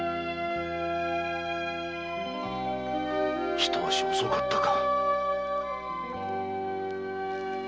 ひと足遅かったか。